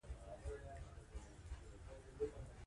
تر څو چې سیاستوال په خپلو ژمنو وفا ونکړي، ولسي اعتماد له منځه ځي.